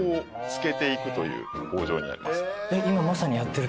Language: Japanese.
今まさにやってるとこ。